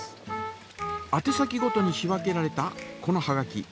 あて先ごとに仕分けられたこのはがき。